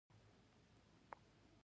چې دی خو به په پروفيسر پسې نه ګرځي.